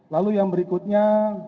lalu yang berikutnya